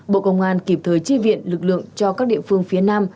bộ công an kịp thời tri viện lực lượng cho các địa phương phía nam